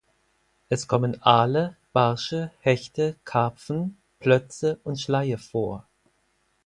Es kommen Aale, Barsche, Hechte, Karpfen, Plötze und Schleie vor.